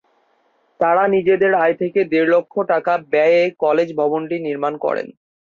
তারা নিজেদের আয় থেকে দেড় লক্ষ টাকা ব্যয়ে কলেজ ভবনটি নির্মাণ করেন।